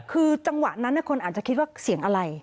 คือจังหวะนั้นคนอาจจะคิดว่าเสียงอะไร